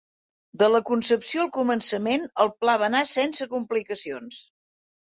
De la concepció al començament, el pla va anar sense complicacions.